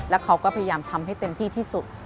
แล้วเขาก็พยายามทำให้เต็มที่ที่สุด